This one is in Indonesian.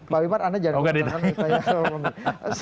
pak wimar anda jangan mengomentari